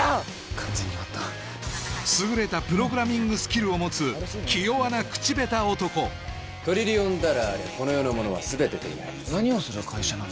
完全に終わった優れたプログラミングスキルを持つ気弱な口下手男トリリオンダラーありゃこの世のものは全て手に入る何をする会社なの？